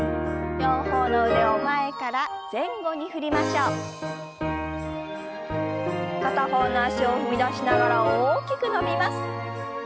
片方の脚を踏み出しながら大きく伸びます。